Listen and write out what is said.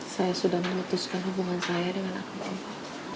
saya sudah memutuskan hubungan saya dengan akibatnya